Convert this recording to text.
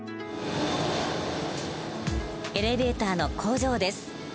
エレベーターの工場です。